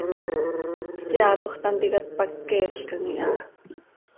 Seaatoj tanticat pac queelcam iha.